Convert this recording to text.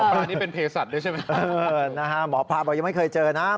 อันนี้เป็นเพศสัตว์ด้วยใช่ไหมหมอปลาบอกยังไม่เคยเจอนะ